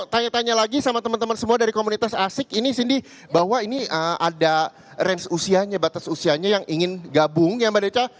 tanya tanya lagi sama teman teman semua dari komunitas asik ini cindy bahwa ini ada range usianya batas usianya yang ingin gabung ya mbak neca